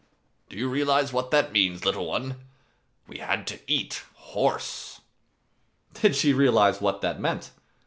"Do you realize what that means, little one? We had to eat horse!" Did she realize what that meant!